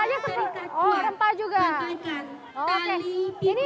wow dia enggak berhasil karena memang menggunakan bahan alami